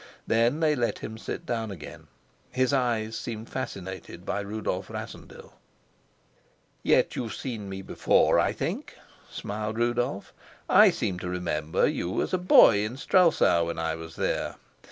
Then they let him sit down again. His eyes seemed fascinated by Rudolf Rassendyll. "Yet you've seen me before, I think," smiled Rudolf. "I seem to remember you as a boy in Strelsau when I was there.